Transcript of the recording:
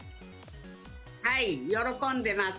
はい、喜んでます。